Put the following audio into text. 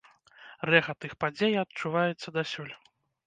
Рэха тых падзей адчуваецца дасюль.